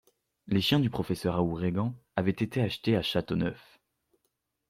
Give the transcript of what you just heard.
Les chiens du professeur Aouregan avaient été achetés à Châteauneuf.